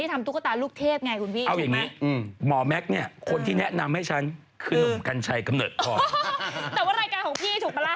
อีกหนึ่งข่าวค่ะเรียกว่าน่าหนึ่งเหมือนกันนะครับอันนี้